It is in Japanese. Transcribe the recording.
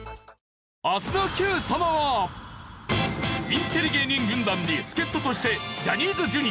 インテリ芸人軍団に助っ人としてジャニーズＪｒ．Ａぇ！